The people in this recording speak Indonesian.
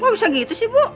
nggak bisa gitu sih bu